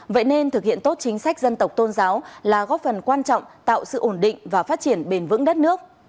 vậy nên thực hiện tốt chính sách dân tộc tôn giáo là góp phần quan trọng tạo sự ổn định và phát triển bền vững đất nước